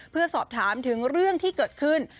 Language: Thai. เพื่อสอบถามถึงเรื่องที่เกิดขึ้น